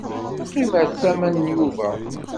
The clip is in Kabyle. Qqim ar tama n Yuba.